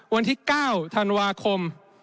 วันที่๙ธันวาคม